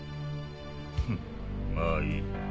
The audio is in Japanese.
フッまぁいい。